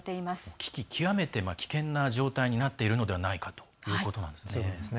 危機、極めて危険な状態になっているのではないかということですね。